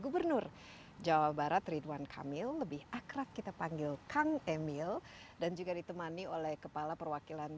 gubernur jawa barat ridwan kamil lebih akrab kita panggil kang emil dan juga ditemani oleh kepala perwakilan